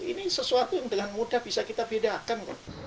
ini sesuatu yang dengan mudah bisa kita bedakan kok